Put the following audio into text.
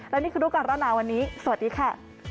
และนี่คือดูกันแล้วนะวันนี้สวัสดีค่ะ